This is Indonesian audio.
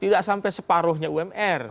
tidak sampai separuhnya umnr